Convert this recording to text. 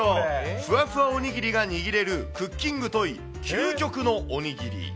ふわふわおにぎりが握れるクッキングトイ、究極のおにぎり。